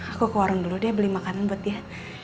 aku ke warung dulu deh beli makanan buat dia